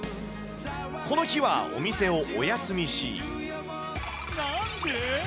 この日はお店をお休みし。